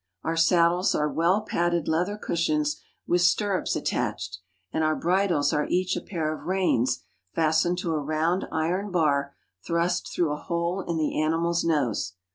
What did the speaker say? Our saddles are well padded leather cushions with stirrups attached, and our bridles are each a pair of reins fastened to a round iron bar thrust through a hole in the animal's nose.